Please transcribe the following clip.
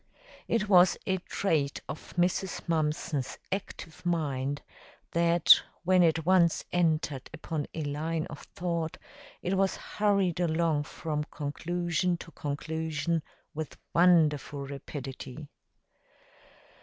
It was a trait of Mrs. Mumpson's active mind, that when it once entered upon a line of thought, it was hurried along from conclusion to conclusion with wonderful rapidity.